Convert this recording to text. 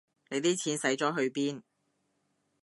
你啲錢使咗去邊